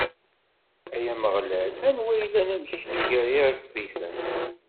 Ay Ameɣlal, anwa yellan am kečč gar iṛebbiten?